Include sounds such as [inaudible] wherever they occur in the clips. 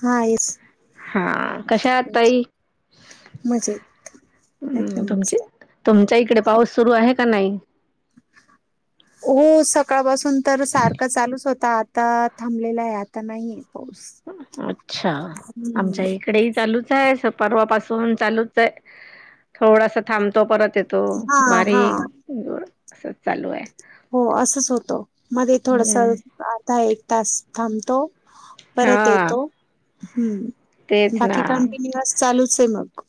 हा येस हा कशा आ तई मजेत हम् एकदम तुमची मस्त. तुमच्या इकडे पाऊस सुरु आहे का नाही हो सकाळपासून तर सारख चालूच होत आता आता थांबलेलं आहे आता नाही अच्छा, हम्म. आमच्या इकडेही चालूच परर्वापसून चालूच आहे, थोडसा थांबतो परत येतो. येतो हा हा बरिक अस चालू आहे. हो असच होतो मध्ये थोडस हम्म आधा एक तास थांबतो. परत हा येतो तेच ना बाकी कंटिन्यअस चालू. से मग.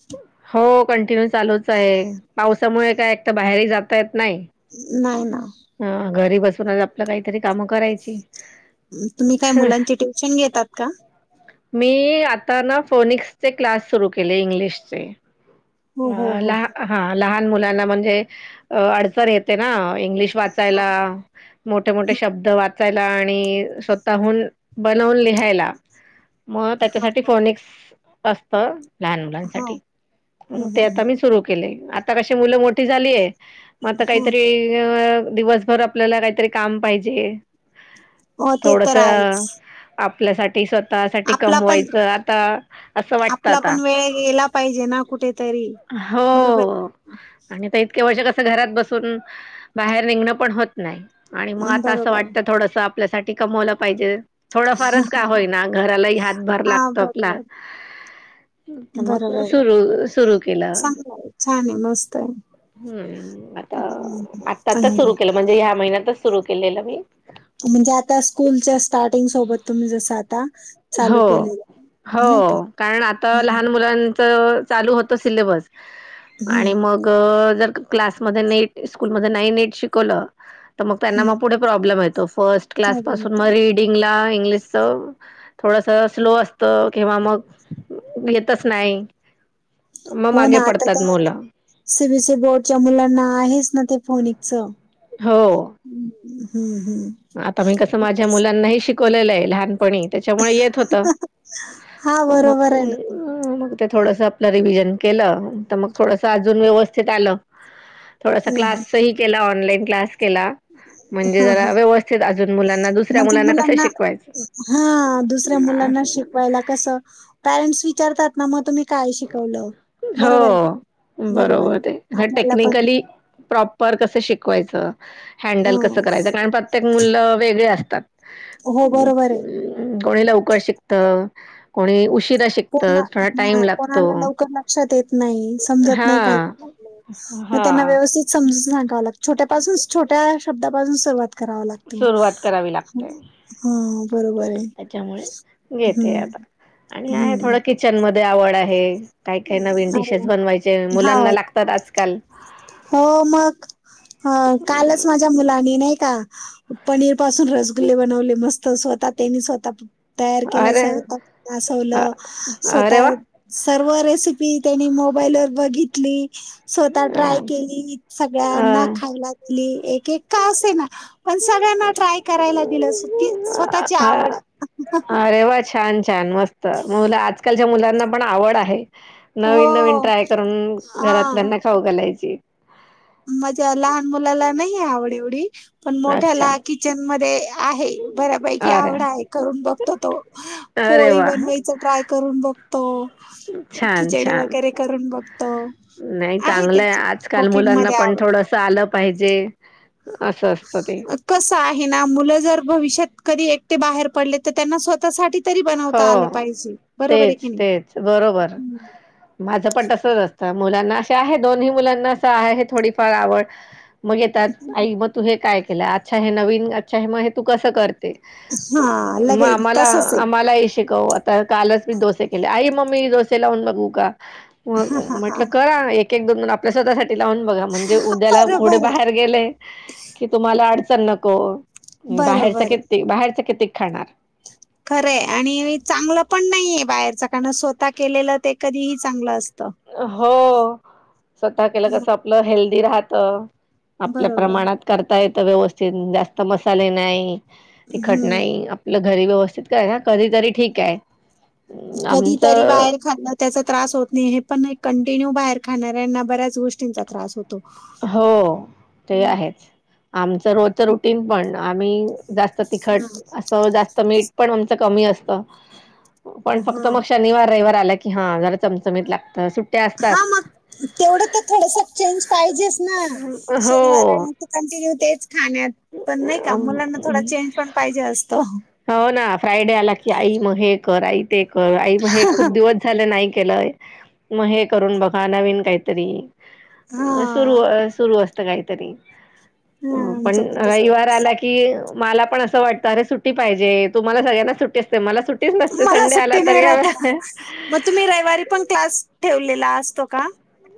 हो कंटिन्यू चालूच आहे पावसामुळे काय एक तर बाहेर जातात. नाही. ना ह घरी बसून आपलं काहीतरी कामं करायची. तुम्ही काय मुलांचे ट्युशन घेतात का. मी आता ना फोनिक्सचे क्लास सुरू केले इंग्लिशचे हो हो हो. अ हा लहान मुलांना म्हणजे अडचण येते ना हो वाचायला मोठे मोठे शब्द वाचायला आणि स्वतःहून बनवून लिहायला मग त्याच्यासाठी फोनिकस असत. लहान हो मुलांसाठी. हो ते हो आता मी सुरू केले आता कशी मुलं मोठी झालीय मग आता हो काहीतरी. दिवसभर आपल्याला काहीतरी काम पाहिजे हो ते थोडस तर आहेच. आप आपल्यासाठी स्वतःसाठी आपला पण कमवायचं आता असं वाटत आपला आता. पण वेळ गेला पाहिजे ना कुठेतरी बरोबर! तेव्हाच कसं घरात बसून बाहेर निघणं पण होत नाही. आणि मग आता असं बरोबर. वाटतं थोडस आपल्यासाठी कमवलं पाहिजे. थोडंफारच का होईना घरालाही हातभार हां, लागतो आपला. बरोबर. मग बरोबर. सुरु सुरू केला. चांगलं आहे. छान आहे. मस्त आहे. हम्म आता हं, आत्ता आता चांगलं सुरु आहे. केलं म्हणजे ह्या महिन्यातच सुरु केलेलं मी, म्हणजे आता स्कूलच्या स्टार्टिंग सोबत तुम्ही जस आता चालू हो केल. हो कारण आता लहान मुलां चालू होत सिलेबस आणि हं, मग जर क्लासमध्ये नेट स्कूल म नाही नेट शिकवलं तर मग त्यांना हं. मग पुढे प्रॉब्लेम येत. फर्स्ट क्लास चालेल पासून मग ना. रीडिंग ला इंग्लिश थोडस स्लो असत किंवा मग येतच नाही, मग हो मागे ना, आता पडतात तर मुलं सीबीसी बोर्डच्या मुलांना आहेच ना ते फोनिकच. हो हम्म! आता मी कसं माझ्या मुलांनाही शिकवलेलं आहे, लहान त्याच्यामुळे येत हो हां, म बरोबर आहे ना. [unintelligible] ते थोडस आपलं रिव्हजन केलं, तर मग थोडस अजून व्यवस्थित आलं. थोडासा हं, हं. क्लासही केला. ऑनलाईन क्लास केला म्हणजे हां, जरा हां. व्यवस अजून मुलांना दुसऱ्या मुलांना कस शिकवायचं. हा दुसऱ्या मुलांना शिकवायला कस पॅरेंट्स विचारतात ना मग तुम्ही, काय शिकवलं? बरोबर आहे की हो बरोबर! आहे. आपल्याला पण टेक्निकली प्र पर कसं शिकवायचं अ, हँडल कसं करायचं कारण, प्रत्येक मुललं वेगळे असत. हो बरोबर आहे. कोणी लवकर शिकत कोणी उ शिरा शिकतं. थोडा टाइम लागतो. ल लक्षात येत नाही समजत हा नाही का म त्यांना हा व्यवस्थ सम छोट्यापून छोट्या शब्दापासूनसुरुवात. कराव लागते मग सुरुवात करावी लागते ह, बरोबर आहे, त्याच्यामुळे घेते आता. हम्म! आणि आहे थोडं किचन मध्ये आवड आहे. काय काही नवीन अरे डिशेस बनवायचे मुलांना वाह! लागतात. आजकाल, हो, मग कालच माझ्या मुलानी नाही पनीर पासून रसगुल्ले बनवले मस्त स्वतः त्यांनी स्वतः तयार अरे केलंवलं अरे वा स्वतः सर्व [unintelligible] त्यांनी मोबाईल व बघितली. स्वतः ट्राय अ केली, सगळ्यांना खायला दिली एक एक का असेना पण सगळ्यांना ट्राय करायला दिलं स्वतःची अ आवड. अरे वा छान छान मस्त मुलं आजकालच्या मुलांना पण आवड आहे. हो नवीन नवीन ट्राय करून हा घरातल्यांना खाऊ घालायची. माझ्या लहान मुलाला नाही आवड एवढी पण अच्छा मोठ्याला किचन मध्ये आहे बऱ्यापैकी अरे आवडा आहे करून बघतो तो अरे पोळी वा बनवायचा ट्राय करून बघतो, छान खिचडी छान. वगैरे करून बघतो. नाही आहे चांगलंय त्याची आजकाल कुकिंग मुलांना मध्ये पण आवड थोडस आलं पाहिजे अस असत ते. मुल जर भविष्यात कधी एकटे बाहेर पडले तर त्यांना स्वतःसाठी तरी हो बनवता आलं पाहिजे बरोबर आहे की तेच नाही. तेच बरोबर माझं पण तसच असत. तर मुलांना असे आहे दोन्ही मुलांना असं आहे हे थोडीफार आवड. मग येतात आई मग तू हे काय केलं अच्छा हे नवीन अच्छा हे मग हे तू कसं कर ते? हा म लगेच आम्हाला तसच आहे मला हे शिकव आता कालच मी दोसे केले, आई मम्मी दोसे लावून बघू का? मग हा म्हटलं करा एक एक दोन आपल्या स्वतःसाठी लावून बघा म्हणजे उद्याला पुढे बरोबर आहे बाहेर गेले की तुम्हाला अडचण नको. बाहेरचा बरोबर क बाहेरचा कितीक खाणार? खरं आणि चांगलं पण नाहीये बाहेरच कारण स्वतः केलेलं ते कधीही चांगलं अस त. हो स्वतः केलं कस आपलं हेल्दी राहतं. आपल्या बरोबर प्रमाणात करता येत व्यवस्थित जास्त मसाले नाही. ती हम्म. खटनाई आपलं घरी व्यवस्थित कय कधीतरी ठीक आहे. अं, कधीतरी आमचं बाहेर खाल् त्याचा त्रास होत नाही हे पण कंटिन्यू बाहेर खाणाऱ्यांना बऱ्याच गोष्टींचा त्रास होत. हो ते आहेच आमचं रोजच रुटीन पण आम्ही जास्त तिखट असं जास्त मीठ पण आमचं कमी असत. पण फक्त हा मग शनिवार रविवार आला की हा जरा चमचमीत लागत सु हा मग तेवढं तर थोडस चेंज पाहिजेच ना? शनिवार हो आहे कंटिन्यू तेच खाण्यात पण, नाही का मुलांना थोडा चेंज पण पाहिजे असतो. हो ना फ्रायडे आला की आई मग हे कर आई ते कर आई मग हे हा खूप दिवस झालं नाही केलंय मग हे करून बघा नवीन काहीतरी. अ सुरू हा, सुरू असत काहीतरी. पण आमचं रयवार तसं आला की, मला पण असं वाटतं अरे सु ट्टी पाहिजे तुमला सगळ्यांना सुट्ट असते मला सुट्टी मला सुट्टी नाही राहता मग तुम्ही रविवारी पण क्लास ठेवलेला असतो का?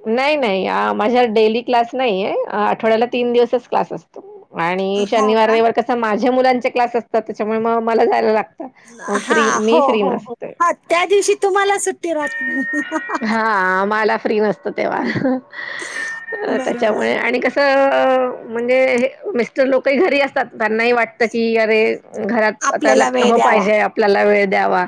नाही नाही माझ्या डेली क्लास नाहीय आठवड्याला तीन दिवसच क्लास असतो. आणि हो का शनिवारवार कस माझ्या मुलांचे क्लास असतात, त्याच्यामुळे मग मला जायला लागत. हा हो हो हो ह त्या दिवशी तुम्हाला सुट्टी राह नाही. हा मला फ्री नसत तेव्हा बरोबर त्याच्यामुळे आणि कस म्हणजे मिस्टर लोकही घरी असतात त्यांनाही वाटत की घरात आपल्याला वेळ आता द्यावा पाहिजे आपल्याला वेळ द्या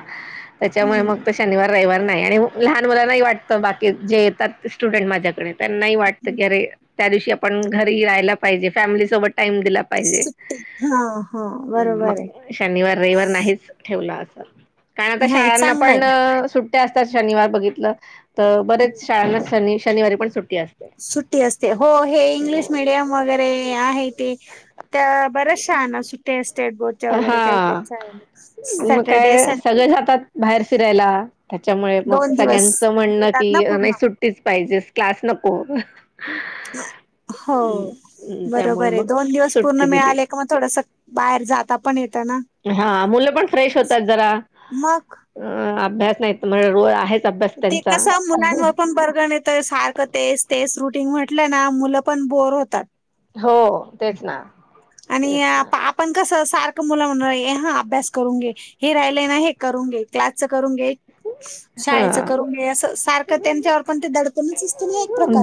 हम्म त्यामुळेग शनिवार रयवार नाही, आणि लहान मुला नाही वाटत बाकी जे येतात ते स्टुडंट माझ्याकडे त्यांनाही वाटत की अरे त्या दिवशी आपण घरीही राहायला पाहिजे फॅमिलीसोबत टाईम दिला पाहिजे सुट्टी हा हा बरोबर मग आहे शनिवार रविवार नाहीच ठेवला. कारण आता नाही शाळांना चांगलं आहे पण सुट्ट्या असतात शनिवार बघितलं तर बरेच हं, शाळांना श शनिवारी पण सुट्ट सुट्टी असते हो हे इंग्लिश मिीडियम वगैरे आहे ते त्या बऱ्याच शाळांना सुट्टी असते. स्टेट बोर्डच्या हा वगैरे काही काही शाळेला मग सॅटर्डे काय संडे सगळे जातात बाहेर फिरायला. त्याच्यामुळे मग दोन दिवस सगळ्यांचं म्हणणं मिळतात ना की पूर्ण नाही सुट्टीच पाहिजे क्लास नको. ह हो त्यामुळे बरोबर आहे मग दोन दिवस सुट्टी पूर्ण दिली मिळाले का मग थोडस बाहेर जात. हा मुलं पण फ्रेश असं होतात जरा मग अभ्यास नाही म्हण र आहेच. अभ्यास ते त्यांचा कस मुलांवर पण बर्गन येत सारखं तेस ते रुट म्हटलं ना मुलं पण बोर होतात. हो तेच ना. आणि तेच ना पा पण कस असत. सारख मुलं म्हण हा अभ्यास करून घे, हे राहिलंय ना हे करून घे, त्याच करून घे. शाळेच हा करून घ अस सारखं त्यांच्यावर पण ते दडपणच अस.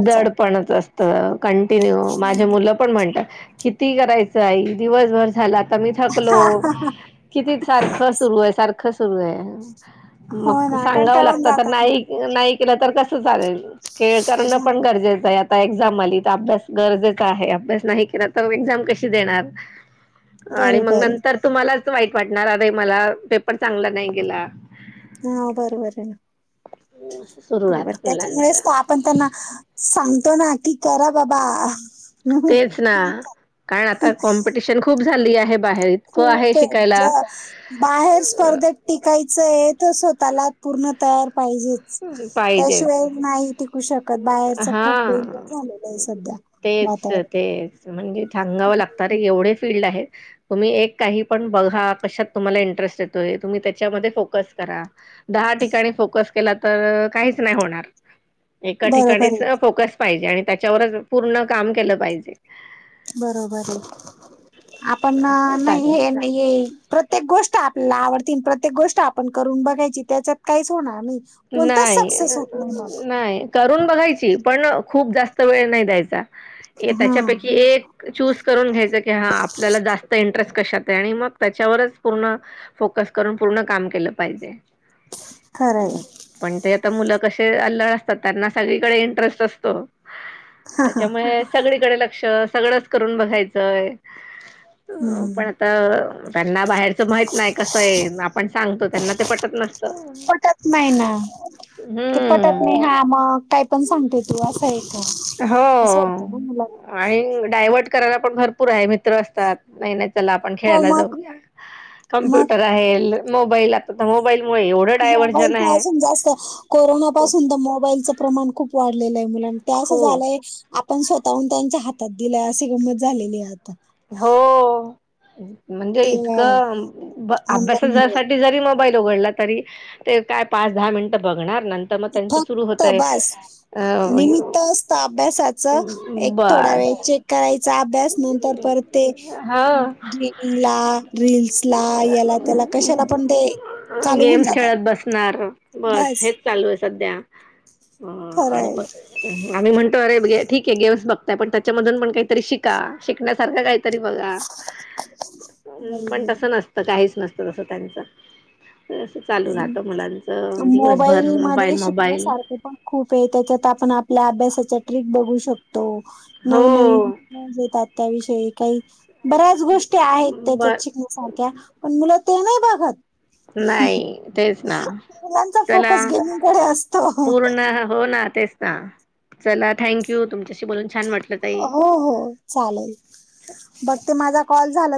दड पणच असत कंटिन्यू माझ्या मुलं पण म्हणतात कि ती करायचं आई दिवसभर झालाता मी थकलो हा किती सारखं सुरू आहे सारखं खसरू आहे. हो मग ना सांगावं कंटाळून लागत तर जातात ना नाही नाही केलं तर कस चालेल. खेळ करणं पण गरजेचं आहे. एझाम आली तर अभ्यास गरजेचा आहे. अभ्यास नाही केला तर एक्झाम कशी देणार. आणि मग बरोबर आहे नंतर तुम्हालाच वाईट वाटणार अरे मला पेपर चांगला नाही गेला. हा बरोबर ना. असं सुरू बरोबर राहत त्याच्यामुळे मुलांचं आपण त्यांना सां तो नाकीी करा बाबा तेच ना कारण आता कॉम्पिटिशन खूप झाली आहे. बाहेर इतकं खूप आहे शिकायला. बाहेर स्पर्धेत टिकायचं आहे स्वतःला पूर्णतयार पाहिजेच पाहिजेच त्याशिवाय नाही टिकू शकत बाहेरच खूप हा. डेंजर झालेलं आहे. सध्या तेच वातावरण ते म्हणजे थांगावं लागत रे एवढे फीलल्ड आहेत. तुम्ही एक काही पण बघा कशात तुम्हाला इंटरेस्ट येतोय. तुम्ही त्याच्यामध्ये फोकस करा. दहा ठिकाणी फोकस केला तर काहीच नाही होणार. एका बरोबर ठिकाणीच आहे फोकस पाहिजे, आणि त्याच्यावरच पूर्ण काम केलं पाहिजे. बरोबर आहे. आपण असं नाही चालेल. हे नाही प्रत्येक गोष्ट आपल्याला आवडते. प्रत्येक गोष्ट आपण करून बघायची, त्याच्यात काहीच होणार नाही. कोणताच नाही सक्सेस होत नाही मग नाही करून बघायच. पण खूप जास्त वेळ नाही द्यायचा. हा त्याच्यापैकी एक चूस करून घ्यायच की, हा आपल्याला जास्त इंटरेस्ट कशात आणि मग त्याच्यावरच पूर्ण फोकस करून पूर्ण काम केलं पाहिजे. खर. पण ते आता मुलं क असे अल्लळ असतात, त्यांना सगळीकडे इंटरेस्ट असतो. त्याच्यामुळे सगळीकडे लक्ष सगळंच करून बघायचंय. हम्म. अ पण आता त्यांना बाहेरच माहित नाही कसं आहे, आपण सांगतो त्यांना ते पटत नसत. च नाही ना ते पटत नाही हा मग काय पण सांगते तू असं आहे. असं होतं ना मुलाला डायवर्ट करायला पण भरपूर आहे, मित्र असतात मत हो खेऊ मग क मग मो [unintelligible] मुळे एवढं डायव्हर्जन मोबाईलच आहे. अजून जास्त कोरोना खूप पाासून तर मोबाईलचं प्रमाण खूप वाढलेलं आहे. मुलांच ते असं खूप झालंय आपण स्वतःहून त्यांच्या हातात दिलाय. अशी गंमत झालेली आहे आता. हो. म्हणजे ते इतकं. ऑनलाईन मुळे अभ्यासासाठी जरी मोबाईल ऊघडला तरी. ते काय पाच-दहा मिनट बघणार. नंतर मग त्यांच सुरू फक्त होतय बास, अ निमित्त असतं अभ्यासाचं एक थोड बस. डावेळ चेक करायचा अभ्यास नंतर परत ते हा गेमिंगला रील स्ला याला त्याला कशाला पण ते चालू होऊन गेम्स जातात खेळत बसणार बस हेच चालू अस सध्या अ आणि खरंय मग ह आम्ही म्हणतो अरे ठीक आहे गेम्स बघताय, पण त्याच्यामधून पण काहीतरी शिका शिकण्या सारखं काहीतरी बघा, पण बरोबर तस आहे. काहीच नसतं तसं त्यांचं. असं चालू राहतं अ मुलांचं मोबाईल दिवसभर मोबाईल मध्ये मोबाईल शिकण्यासारखं पण खूप आहे त्याच्यात आ पण आपल्या अभ्यासाच्या ट्रिक बघू शकतो, नव हो नवीन [unintelligible] येतात त्याविषयी काही बऱ्याच गोष्टी आहेत बर त्याच्यात शिकण्यासारख्या, पण मुलं ते नाही बघत. नाही. तेच ना, मुलांचा चला फोकस गेमिंगकडे असतो पूर्ण हो ना तेच हा चला थँक यू! तुमच्याश हो हो, चालेल, बघ ते माझा कॉल झाला